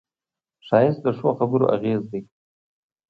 ښایست د ښو خبرو اغېز دی